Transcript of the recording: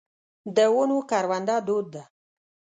د ونو کرونده دود ده.